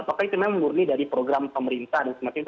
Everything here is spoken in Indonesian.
apakah itu memang murni dari program pemerintah dan sebagainya